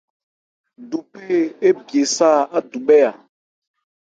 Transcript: Duphé ébye sâ ádubhɛ́ a.